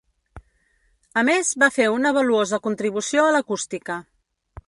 A més, va fer una valuosa contribució a l'acústica.